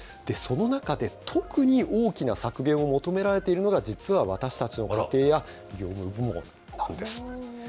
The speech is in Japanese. その中で、特に大きな削減を求められているのが、実は私たちの家庭や、業務用なんです。